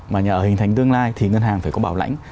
mà nhà ở hình thành tương lai thì ngân hàng phải có bảo lãnh